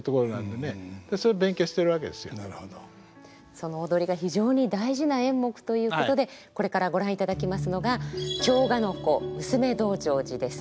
その踊りが非常に大事な演目ということでこれからご覧いただきますのが「京鹿子娘道成寺」です。